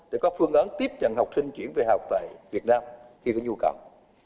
để có phương án tiếp nhận học sinh chuyển về học tại việt nam khi có nhu cầu